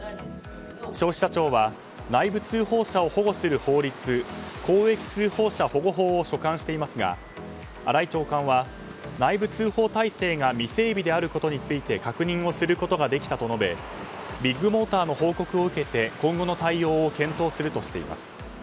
消費者庁は内部通報者を保護する法律公益通報者保護法を所管していますが新井長官は内部通報体制が未整備であることについて確認をすることができたと述べビッグモーターの報告を受けて今後の対応を検討するとしています。